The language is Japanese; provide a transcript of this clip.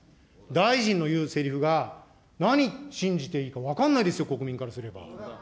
大臣の言うせりふが何信じていいか分からないですよ、国民からすれば。